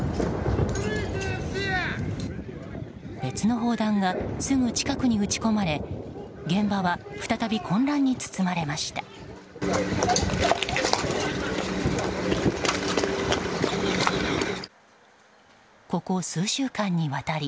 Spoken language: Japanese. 別の砲弾がすぐ近くに撃ち込まれ現場は再び混乱に包まれました。